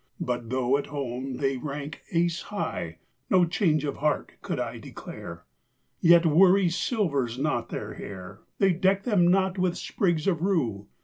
But though at home they rank ace high, No change of heart could I declare. Yet worry silvers not their hair; They deck them not with sprigs of rue.